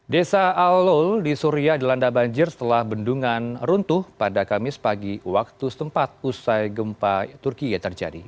desa alul di suria dilanda banjir setelah bendungan runtuh pada kamis pagi waktu setempat usai gempa turkiye terjadi